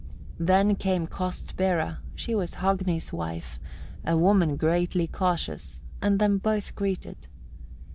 6. Then came Kostbera, she was Hogni's wife, a woman greatly cautious, and them both greeted.